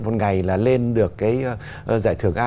một ngày là lên được cái giải thưởng a